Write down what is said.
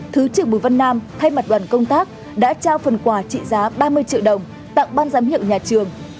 thứ trưởng bùi văn nam thay mặt đoàn công tác đã trao phần quà trị giá ba mươi triệu đồng tặng ban giám hiệu nhà trường